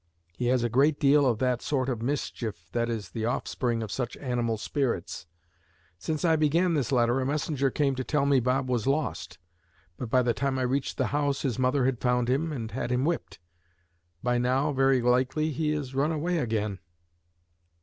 He has a great deal of that sort of mischief that is the offspring of much animal spirits. Since I began this letter a messenger came to tell me Bob was lost; but by the time I reached the house his mother had found him and had him whipped. By now, very likely, he is run away again."